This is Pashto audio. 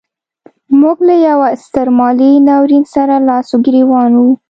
موږ له یوه ستر مالي ناورین سره لاس و ګرېوان وو.